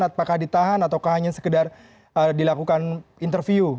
apakah ditahan atau hanya sekedar dilakukan interview